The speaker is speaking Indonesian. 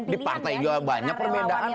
di partai juga banyak perbedaan